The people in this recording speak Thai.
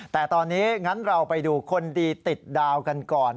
แต่ตอนนี้งั้นเราไปดูคนดีติดดาวกันก่อน